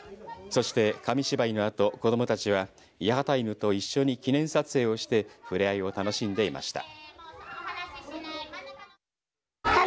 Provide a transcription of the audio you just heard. そして紙芝居のあと子どもたちはやはたいぬと一緒に記念撮影をしてふれあいを楽しんでいました。